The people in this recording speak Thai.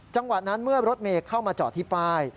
จังหวะนั้นเมื่อรถเมย์เข้ามาจอดที่ป้าย